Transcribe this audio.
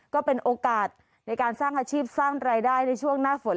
ก็เป็นโอกาสในการสร้างอาชีพสร้างรายได้ในช่วงหน้าฝน